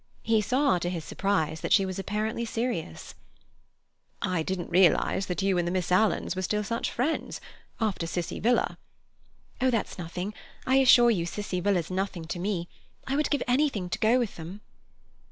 He saw, to his surprise, that she was apparently serious. "I didn't realize that you and the Miss Alans were still such friends, after Cissie Villa." "Oh, that's nothing; I assure you Cissie Villa's nothing to me; I would give anything to go with them."